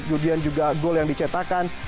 kemudian juga gol yang dicetakan